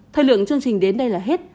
thời lượng chương trình đến đây là hết